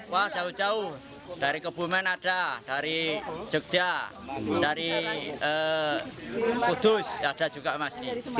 wah jauh jauh dari kebumen ada dari jogja dari kudus ada juga mas